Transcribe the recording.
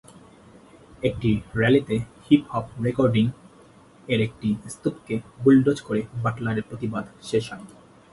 একটি র্যালিতে হিপ-হপ রেকর্ডিং-এর একটি স্তূপকে বুলডোজ করে বাটলারের প্রতিবাদ শেষ হয়।